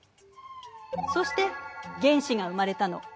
そして原子が生まれたの。